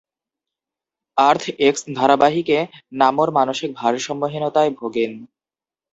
"আর্থ X" ধারাবাহিকে নামোর মানসিক ভারসাম্যহীনতায় ভোগেন।